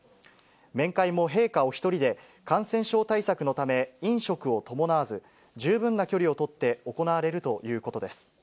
面会も陛下お一人で、感染症対策のため、飲食を伴わず、十分な距離を取って行われるということです。